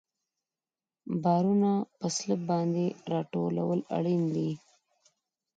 بارونه په سلب باندې راټولول اړین دي